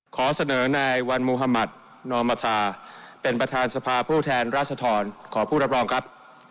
ขอเสนอนายวันมุธมัธนอมธาเป็นประธานสภาผู้แทนราชดรขอผู้รับรองครับ